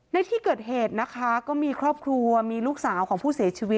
ในที่เกิดเหตุนะคะก็มีครอบครัวมีลูกสาวของผู้เสียชีวิต